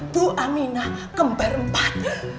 bu aminah kembar empat